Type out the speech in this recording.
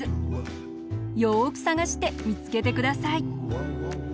よくさがしてみつけてください。